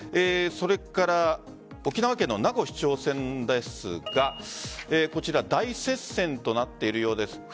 それから沖縄県の名護市長選ですが大接戦となっているようです。